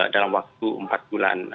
dalam waktu empat bulan